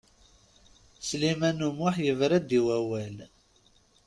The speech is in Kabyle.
Sliman U Muḥ yebra-d i wawal.